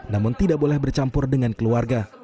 namun tidak boleh bercampur dengan keluarga